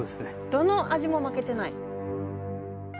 どの味も負けてない。